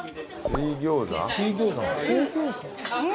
水餃子。